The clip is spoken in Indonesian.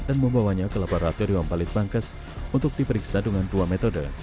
dan membawanya ke laboratorium balit bangkes untuk diperiksa dengan dua metode